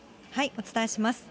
お伝えします。